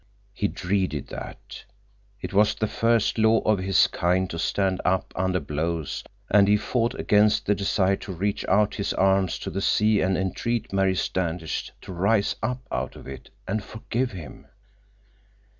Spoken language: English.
He dreaded that. It was the first law of his kind to stand up under blows, and he fought against the desire to reach out his arms to the sea and entreat Mary Standish to rise up out of it and forgive him.